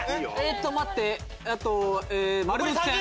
待ってえっと。